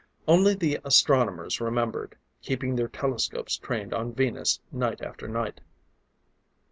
Only the astronomers remembered, keeping their telescopes trained on Venus night after night.